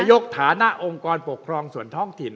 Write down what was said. ยกฐานะองค์กรปกครองส่วนท้องถิ่น